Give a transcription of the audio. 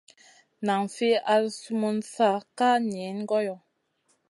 Nan fi al sumun sa ka niyn goyo.